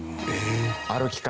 歩き方。